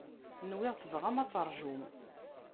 Nwiɣ tebɣam ad terjum.